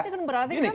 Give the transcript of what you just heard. ini kan berarti